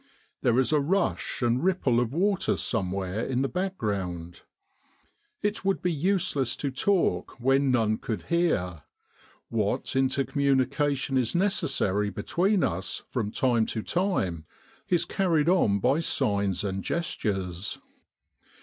There is a rush and ripple of water somewhere in the background. It would be useless to talk where none could hear : what intercommunication is necessary between us from time to time is carried on by signs and gestures.